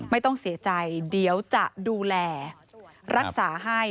ไม่ต้องเสียใจเดี๋ยวจะดูแลรักษาให้